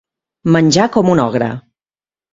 Menjar com un ogre.